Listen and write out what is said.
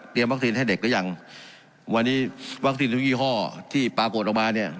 วัคซีนให้เด็กหรือยังวันนี้วัคซีนทุกยี่ห้อที่ปรากฏออกมาเนี่ย